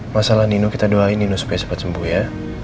masalah nino kita doain nino supaya cepat sembuh ya